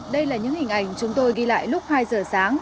đây là những hình ảnh chúng tôi ghi lại lúc hai giờ sáng